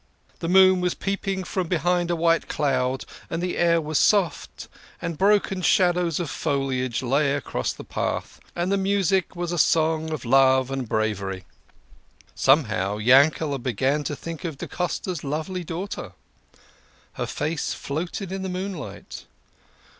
The moon was peep ing from behind a white cloud, and the air was soft, and broken shadows of foliage lay across the path, and the music was a song of love and bravery. Somehow, Yankel began to think of da Costa's lovely daughter. Her face floated in the moonlight.